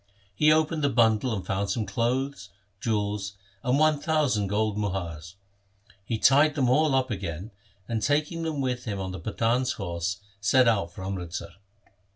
He opened the bundle and found some clothes, jewels, and one thousand gold muhars. He tied them all up again, and, taking them with him on the Pathan's horse, set out for Amritsar.